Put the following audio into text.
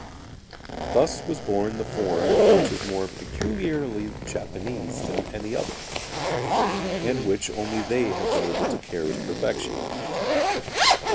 Thus was born the form which is more peculiarly Japanese than any other, and which only they have been able to carry to perfection.